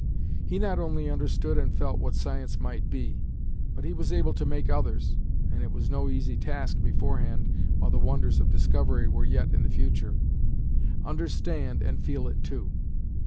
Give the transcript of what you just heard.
He not only understood and felt what science might be, but he was able to make others and it was no easy task beforehand, while the wonders of discovery were yet in the future understand and feel it too.